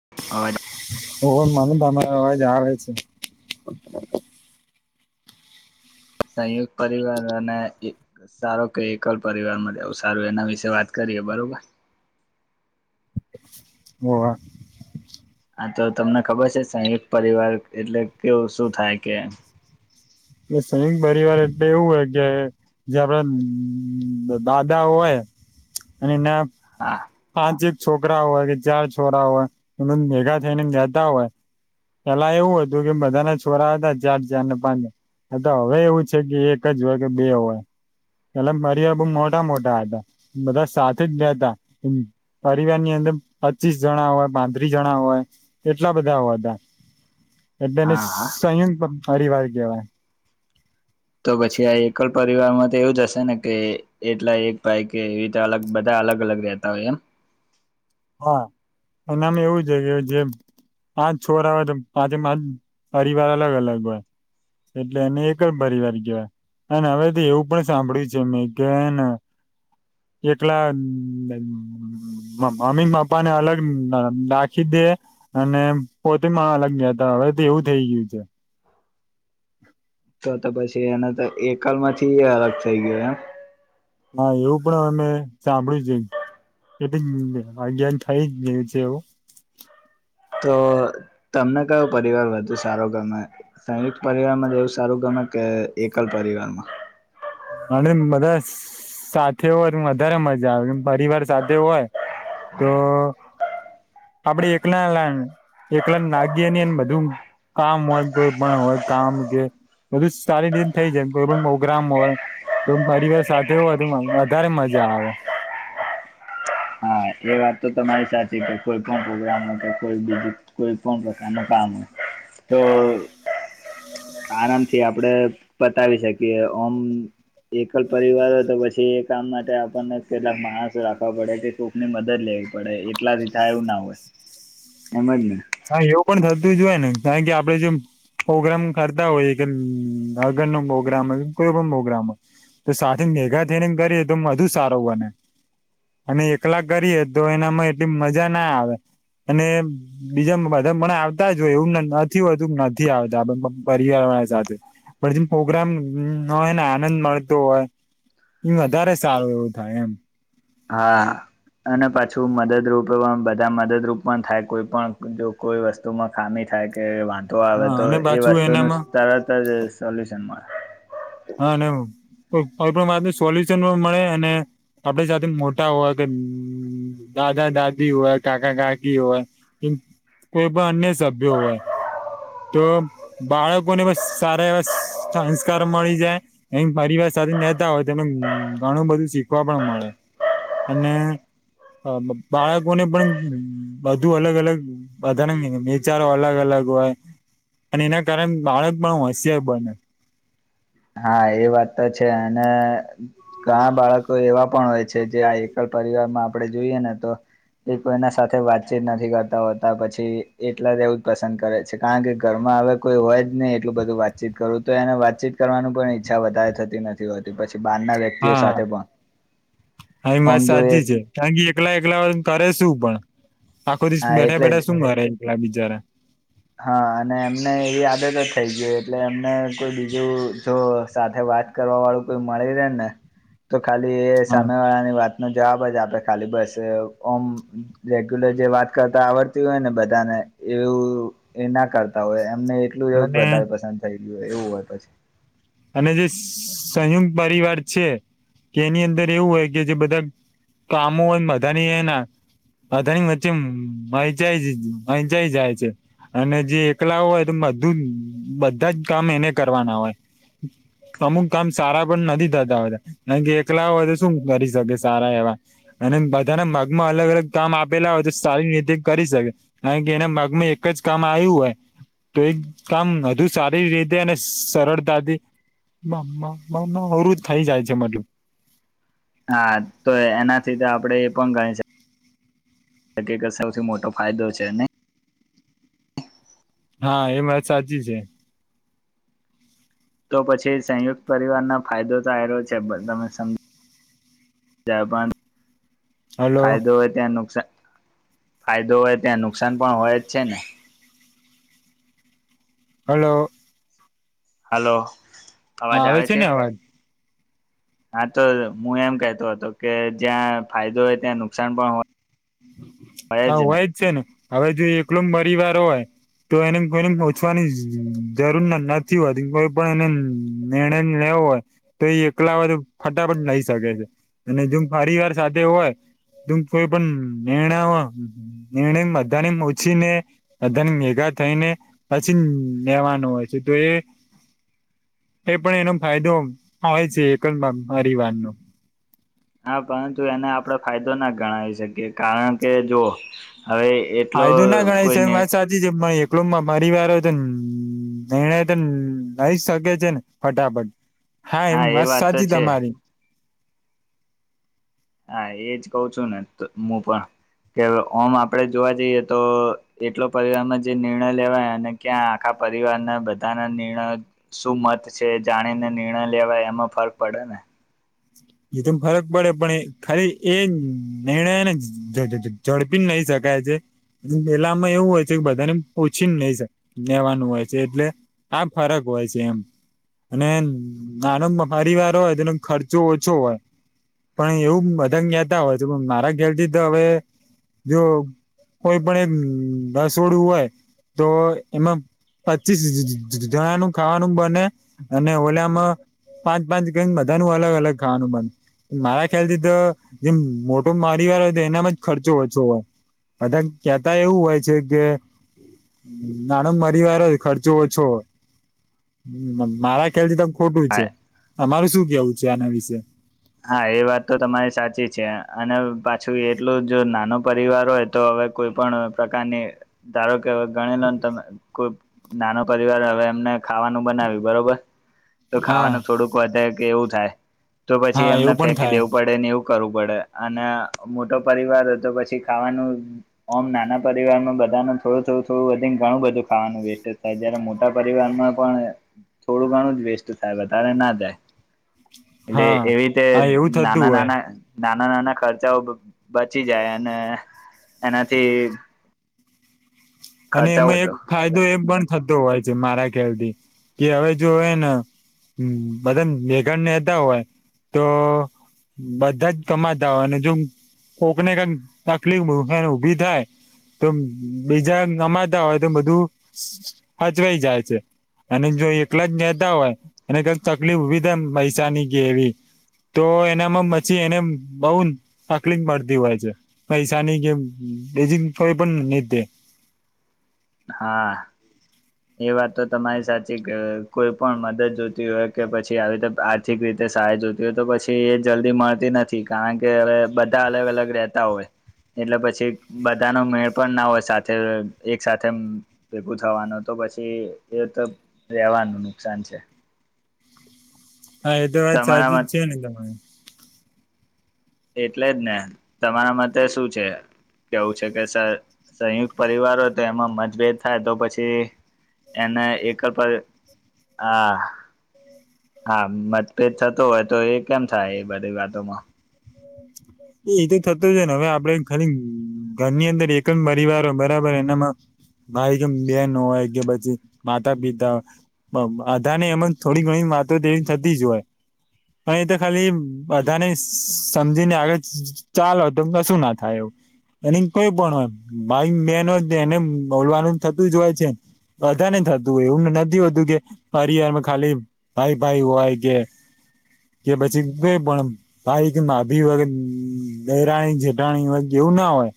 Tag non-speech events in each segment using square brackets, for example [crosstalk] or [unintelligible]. [inaudible] હોવ [unintelligible] અવાજ આવે છે. સંયુક્ત પરિવાર અને સારો કે એકલ પરિવાર માં આવું સારું એના વિશે વાત કરીએ બરોબર હોવ. હા તો તમને ખબર છે સંયુક્ત પરિવાર એટલે કેવું શું થાય કે એ સય પરિવાર એટલે એવું હોય. કે જે આપડ દાદા હોય અને ના હા પાંચ એક છોકરા હોય કે ચાર છોરા હોય એમ ભેગા થઈનેને ગતા હોય પેલા એવું હતું કે બધા ના છોરા હતા જા્યાડ જ ને પાંજા આ તો હવે એવું છે. કે એક જ હોય કે બે હોય પેલા મર્યા બઉ મોટા મોટા હતા બધા સાથે જ લતા પરિવાર ની અંદર પચીસ જણા હોય પાંત્રી જણા હોય એટલા બધા હોતા [inaudible] એટલેને હા સંયુક્ત પરિવાર કહેવાય તો પછી આ એક પરિવાર માં તો એવું જ હશે ને. કે એટલા એક ભાઈ કે એવી રીતે અલગ બધા અલગ અલગ રેતા હોય એમ હા એનામ એવું છે કે જેમ પાંચ છોરા હોય તો પાંચે પાચ પરિવાર અલગ અલગ હોય એટલે એને એક જ પરિવાર કહેવાય અને હવે તો એવું પણ સાંભળ્યું છે મે કેન એકલા મ મમ્મી પપ્પાને અલગ ન નાખી દે અને પોતે માં અલગ ગયાતા હવે તો એવું થઈ ગયું છે, તો તો પછી એને તો એકલ માંથી અલગ થઈ ગયો એમ હા એવું પણ અમે સાંભળ્યું છે એટ અજ્ઞાન થાય જ છે એવું તો તમને કયો પરિવાર વધુ સારો ગમે સંયુક્ત પરિવારમાં રેવું સારું ગમે હા કે એકલ પરિવારમાં? અને બધા સાથે હોય વધારે મજા આવે પરિવાર સાથે હોય તો આપડે એકલા એકલા નાગી એ બધું કામ હોય કોઈ પણ હોય કામ કે બધું સારી રીતે થઈ જાય કોઈ પ્રોગ્રામ હોય તો પરિવાર સાથે હોય વધારે મજા આવે. હા એ એ વાત તો તમારી સાચી કે કોઈ પણ પ્રોગ્રામ હોય કે કોઈ બીજું કોઈ પણ પ્રકારના કામ હોય તો [inaudible] થી આપડે બતાવી શકીએ ઓમ એકલ પરિવાર હોય તો પછી એ કામ માટે આપણને કેટલાક માણસ રાખવા પડે કે કોકની મદ દ લેવી પડે એટલાથી થાય એવું ના હોય એમજ ને હા એવું પણ થતું જ હોય ને કારણ કે આપડે જેમ પ્રોગ્રામ કરતા હોય કે લગનનો પ્રોગ્રામ હોય કોઈ પણ પ્રોગ્રામ હોય તો સાથે મેગા થઈને કરીએ તો વધુ સારુ બને. અને એકલા કરીએે તો એનામાં એટલી મજા ના આવે અને બીજા બધા મને આવતા જ હોય એવું નથી હોતું નથી આવતા પરિવારવાળા સાથે પછી પ્રોગ્રામ ન હોય ને આનંદ મળતો હોય એ વધારે સારું એવું થાય એમ હા અને પાછું મદદરૂપ એ બધા મદદરૂપ પણ થાય કોઈ પણ જો કોઈ વસ્તુમાં ખામી થાય કે વાંધો આવે હા તો અને એ પાછું વસ્તુ નું એનામાં તરત જ સોલ્યુશન મળે હા નેવ કોઈપણ વાતને સોલ્યુશન પણ મળે અને આપડી સાથે મોટા હોય કે દાદા દાદી હોય કાકા કાકી હોય કેમ કોઈ પણ અન્ય સભ્યો હોય તો બાળકોને બસ સારા એ સંસ્કાર મળી જાય એ પરિવાર સાથે નહતા હોય તેમને ઘણું બધું શીખવા પણ મળે અને બાળકોને પણ બધુ અલગ અલગ બધા વિચારો અલગ અલગ હોય અને એના કારણે બાળક પણ હોશિયાર બને. હા એ વાત તો છે. અને ઘણા બાળકો એવા પણ હોય છે. જે આ એકલ પરિવાર માં આપડે જોઈએ ને તો એ કોઈના સાથે વાતચીત નથી કરતા હોતા પછી એકલા રેવું જ પસંદ કરે છે, કારણ કે ઘરમાં આવે કોઈ હોય જ નહી એટલું બધું વાતચીત કરવું તો એને વાતચીત કરવાનું પણ ઈચ્છા વધારે થતી નથી હોતી પછી બહારના વ્યક્તિઓ હા સાથે પણ હા એ વાત આમ જોઈએ સાચી છે. કારણ કે એકલા એકલા કરે શું પણ. આખો દિવસ હા બેઠા એટલે જ બેઠા શું મરે એકલા બીચાર હા અને એમને એ આદત જ થઈ ગઈ એટલે એમને કોઈ બીજું જો સાથે વાત કરવા વાળું કોઈ મળી રહેે ને. તો ખાલી એ હા સામે વાળાની વાત નો જવાબ જ આપે ખાલી બસ ઓમ રેગ્યુલર જે વાત કરતા આવડતી હોય ને બધાને એવું એ ના કરતા હોય એમને એટલું એવું જ અને વધારે પસંદ થય ગયું હોય એવું હોય પછી. અને જે સંયુક્ત પરિવાર છે. કે એની અંદર એવું હોય કે જે બધા કામો હોય બધાની એના આધણી વચ્ચે મંચાઈંચાઈ જાય છે. અને જે એકલા હોય તો બધું બધા જ કામ એને કરવાના હોય અમુક કામ સારા પણ નથી થતા હોતા કારણ કે એકલા હોય તો શું કરી શકે સારા એવા અને બધાના ભાગમાં અલગ અલગ કામ આપેલા હોય તો સારી નીતિ કરી શકે કારણ કે એના ભાગમાં એક જ કામ આવ્યું હોય તો એક કામ વધુ સારી રીતે અને સરળતાથી અરું જ થઈ જાય છે બધું હા તો એનાથી તો આપડે એ પણ ગણી શકીએ કે સૌથી મોટો ફાયદો છે ને હા એ વાત સાચી છે. તો પછી સંયુક્ત પરિવારના ફાયદો તો આઇર્યો છે બ તમે સમજ જ્યા પણ હલો ફાયદો હોય ત્યાં નુકસાન ફાયદો હોય ત્યાં નુકસાન પણ હોય જ છે. ને હલો! હલો! હા આવે છે ને અવાજ? હા તો હું એમ કેતો હતો કે જ્યાં ફાયદો હોય ત્યાં નુકસાન પણ હો હા હોય જ છે ને હવે જો એકલો પરિવાર હોય તો એને કોઈને પહોંચવાની જરૂર ન નથી હોતી કોઈ પણ એને નિર્ણય લે હોય તો એ એકલા હોય તો ફટાફટ લઈ શકે છે અને જો પરિવાર સાથે હોય ત કોઈ પણ નિર્ણયઓ નિર્ણય બધાને ઓછી ને બધાને ભેગા થઈ ને પછી હમ લેવાનું હોય છે તો એ [inaudible] એ પણ એનો ફાયદો હોય છે એકલ પરિવારનો. હા પરંતુ એને આપણે ફાયદો ના ગણાવી શકીએ કારણ કે જો હવે એટલો ફાયદો ના ગણાય છે કોઈને વાત સાચી જ છે પણ કલુંબમાં પરિવારો તો નિર્ણય તો લઈ શકે છે ને ફટાફટ. હા એમ એ વાત તો સાચી છે તમારી હા એજ કહ છું. ને હું પણ કે ઓમ આપડે જોવા જઈએ તો એટલો પરિવારમાં જે નિર્ણય લેવાય અને ક્યાં આખા પરિવારના બધાના નિર્ણય શું મત છે જાણીને નિર્ણય લેવાય એમાં ફરક પડે ને એ તો ફરક પડે પણ એ ખાલી એ નિર્ણય ને ઝ ઝ ઝડપી નહી શક [unintelligible] પહેલામાં એવું હોય છે કે બધાને ઓછીને નઈ લેવાનું હોય છે એટલે આ ફરક હોય છે એમ અને નાનો પરિવાર હોય તેનો ખર્ચો ઓછો હોય. પણ એવું બધાન કેતા હોય છે. પણ મારા ઘેરથી તો હવે જો કોઈ પણ એ રસ વડું હોય તો એમાં પચીસ જ જ જ જણાનું ખાવાનું બને અને ઓલામાં પાંચ પાંચ ગેંગ બધા ન અલગ અલગ ખાવાનું બન. મારા ખ્યાલ થી તો જેમ મોટો મરિવાર હોય તો એનામાં જ ખર્ચો ઓછો હોય બધા કેતા એવું હોય છે કે નાનો મરીવાર જ ખર્ચો ઓછો મારા ખ્યાલથી ત ખોટું હા, છે અમારે શું કેવું છે આના વિશે હા એ વાત તો તમારી સાચી છે અને પાછું એટલું જો નાનો પરિવાર હોય તો હવે કોઈ પણ પ્રકારની ધારો ગણી લો તમે કોઈ નાનો પરિવાર હવે એમને ખાવાનું બનાવ્યું બરોબર તો હા ખાવાનું થોડુંક વધારે કે એવું થાય તો પછી હા એમને એવું પણ ફેંકી થાય દેવું પડે એવું કરવું પડે અને મોટો પરિવાર હોય તો પછી ખાવાનું ઓમ નાના પરિવારમાં બધા ન થોડું થોડું થોડું વધીને ઘણું બધું ખાવાનું વેસ્ટ થાય જયારે મોટા પરિવારમાં પણ થોડું ઘણું જ વેસ્ટ થાય વધારે ના જાય એટલે હા એવી રીતે હા એવું થતું નાના હોય નાના નાના નાના ખર્ચાઓ બચી જાય અને એનાથી અને ખર્ચાઓ એમાં એક હતો ફાયદો એમ પણ થતો હોય છે મારા ખ્યાલથી કે હવે જોવે ને હમ બધા મેઘા નેતા હોય તો બધા જ કમાતા હો અને જો કોકને કઈ તકલીફ ઉભા ઉભી થાય તો બીજા નમાજતા હોય તો બધું હચવાઈ જાય છે અને જો એકલા જ બેતા હોય એને ક તકલીફ ઊભી થાય પૈસાની કે એવી તો એનામાં પછી એને બઉ તકલીફ પડતી હોય છે પૈસાની કે બેજિંગ હોય પણ ની દે. હા એ વાત તો તમારી સાચી કે કોઈ પણ મદદ જોતી હોય કે પછી આવી રીતે આર્થિક રીતે સહે જોતી હોય તો પછી એ જલ્દી મળતી નથી કારણ કે હવે બધા અલગ અલગ રેતા હોય એટલે પછી બધા ન મેળ પણ ના હોય સાથે એક સાથે ભેગું થવાનું તો પછી એ તો રહેેવાનું નુકસાન છે હા એ તો વાત સાચી તમારા જ છે ને તમારી એટલે જ ને તમારા મતે શું છે? કેવું છે કે સ સંયુક્ત પરિવારો તો એમાં મતભેદ થાય તો પછી એને એક પર અહ હા મતભેદ થતો હોય તો એ કેમ થાય એ બધી વાતોમાં એ એતો થતું જ ને હવે આપડે ખાલી ઘરની અંદર એકમ પરિવાર હો બરાબર એનામાં ભાઈ કે બહેન હોય કે પછી માતા પિતા હોય બ બધાને એમમાં થોડી ઘણી વાતો તો તેવી થતી જ હોય પણ એ તો ખાલી બધાને સમજી ને આગળ ચાલો તમને શું ના થાય એવું અન ઇન પય ભાઈ મેન તેને બોલવાનું થતું જ હોય છે. બધા ને થતું હોય એવુંને નથી હોતું કે પરિવારમાં ખાલી ભાઈ ભાઈ હોય કે કે પછી ભ પણ ભાઈ કે માભી વગર હ દહેરાણી જેઠાણી હો એવું ના હોય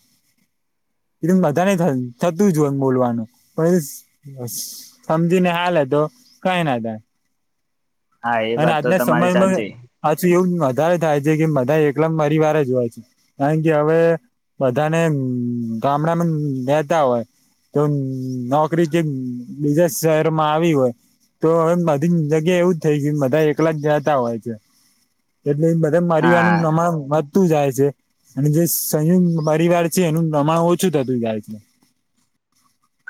એ બધા ન થતું જ બોલવાનું પણ સમજીને હાલત તો કઈ ના ગણાય હ અને આજના સમયમાં પાછુ એવું વધારે થાય છે કે બધા એકલ પરિ વારે જ હોય છે કારણ કે હવે બધાને ગામડામાં નેતા હોય તો નોકરી જે બીજા શહેરમાં આવી હોય તો હવે બધી જગ્યા એવું જ થઈ છે બધા એક લા જતા હોય છે [inaudible] નઈ બધા હા મારીવાનું નમા વાદ તુ જાય છે અને જે સંયુક્ત પરિવાર છે એનું નમા હો છું થતું જાય છે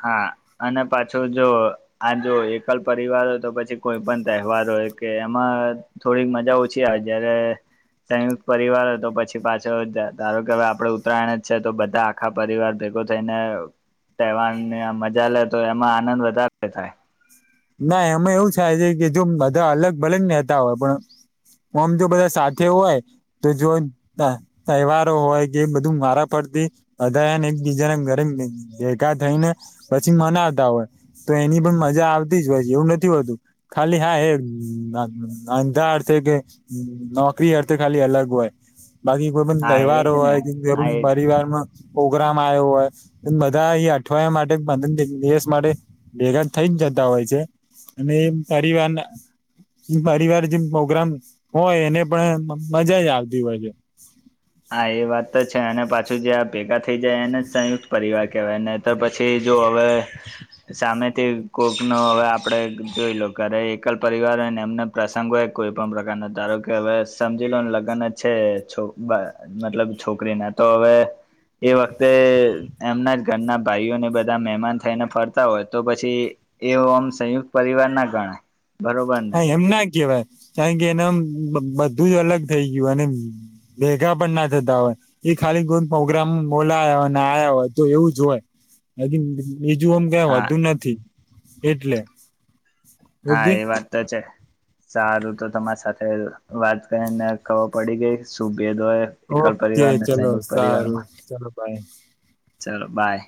હા અને પાછો જો આ જો એકલ પરિવાર હોય તો પછી કોઈ પણ તહેવાર હોય કે એમાં થોડીક મજા ઓછી આવે જયારે સંયુક્ત પરિવાર હતો પછી પાછો જ જાય ધારો કે આપડે ઉત્તરાયણ જ છે તો બધા આખા પરિવાર ભે ગો થઈને તહેવાર ને મજા લે તો એમાં આનંદ વધારે થાય ના એમાં એવું થાય છે કે જો બધા અલગ ભલે નેતા હોય પણ ઓમ જો બધા સાથે હોય તો જ ત તહેવારો હોય કે બધું મારા પર ઘી ધાયાને એકબીજા ના ઘરે ભેગા થઈને પછી મનાવતા હોય તો એ એની પણ મજા આવ તી જ હોય છે એવું નથી હોતું ખાલી હા એ અંધાર કે ન કરી અર્થે ખાલી અલગ હોય બાકી કોઈ પણ હા એજ તહેવારો ને હોય જરૂર હા એ પરિવારમાં પોગ્રામ આવયો હોય બધા એ અઠવાડિયા માટે પંદર દિવસ માટે ભેગા થઈ જ જ તા હોય છે અને પરિવારના પરિવાર જેમ પ્રોગ્રામ હોય એને પણ મજા જ આવતી હોય છે હા એ વાત તો છે અને પાછું જે આ ભેગા થઈ જાય એને સંયુક્ત પરિવાર કહેવાય તો પછી જો હવે સામેથી કોક નો હવે આપડે જોઈ લો ઘરે એકલ પરિવારને હોય ને એમને પ્રસંગ હોય કોઈ પણ પ્રકાર ના ધારો કે હવે સમજી લે લગન જ છે છ બા મતલબ છોકરીને તો હવે એ વખતે એમના જ ઘરના ભાઈઓને બધા મહેમાન થઈને ફરતા હોય તો પછી એવું આમ સંયુક્ત પરિવાર ના ગણા હા એમ ના કેવાય કારણ કે એના બ બધું જ અલગ થઇ ગયું અને ભેગા પણ ના થતા હોય ખાલી કોઈ પ્રોગ્રામ બોલાયા હોયને આયા હોય તો એવું જ હોય [inaudible] બીજું અમ કઈ હા વધુ નથી એટલે હા ઓકે એ વાત તો છે સારું તો તમારી સાથે વાત કરીને ખબર પડી ગઈ શુ ભદોય એકળ ઓકે પરિવાર ને ચલો સંયુક્ત સારું પરિવારમાં ચલો બાય ચલો બાય.